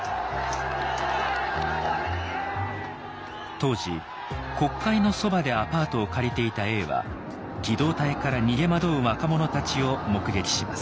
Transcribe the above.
当時国会のそばでアパートを借りていた永は機動隊から逃げ惑う若者たちを目撃します。